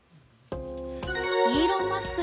イーロン・マスク